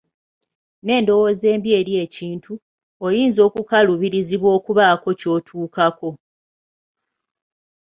N'endowooza embi eri ekintu, oyinza okukaluubirizibwa okubaako ky'otuukako.